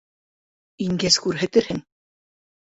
Ингәс күрһәтерһең.